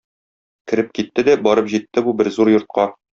Кереп китте дә барып җитте бу бер зур йортка.